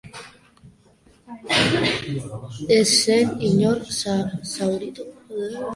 Ez zen inor zauritu.